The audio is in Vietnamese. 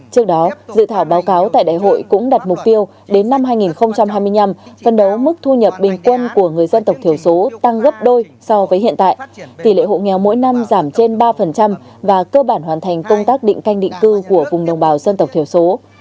trước đó dự thảo báo cáo tại đại hội cũng đặt mục tiêu đến năm hai nghìn hai mươi năm phân đấu mức thu nhập bình quân của người dân tộc thiểu số tăng gấp đôi so với hiện tại tỷ lệ hộ nghèo mỗi năm giảm trên ba và cơ bản hoàn thành công tác định canh định cư của vùng đồng bào dân tộc thiểu số